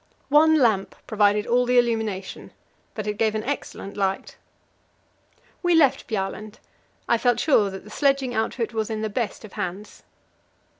One lamp provided all the illumination, but it gave an excellent light. We left Bjaaland. I felt sure that the sledging outfit was in the best of hands.